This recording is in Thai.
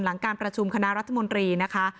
หลังการประชุมคณะรัฐมนตรีนะคะ